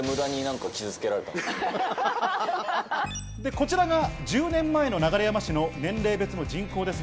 こちらが１０年前の流山市の年齢別の人口です。